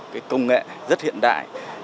cái công nghệ rất hiện đại